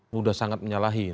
sudah sangat menyalahi